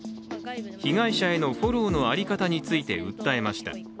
被害者へのフォローの在り方について訴えました。